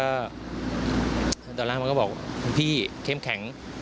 ดาบดอลลาร์มันก็บอกพี่เข้มแข็ง